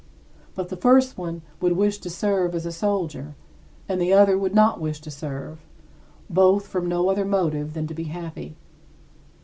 But the first one would wish to serve as a soldier and the other would not wish to serve, both from no other motive than to be happy.